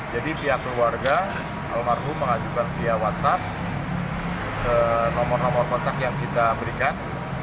jadi pihak keluarga almarhum mengajukan via whatsapp ke nomor nomor kontak yang kita berikan